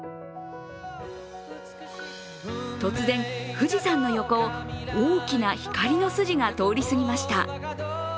突然、富士山の横を大きな光の筋が通り過ぎました。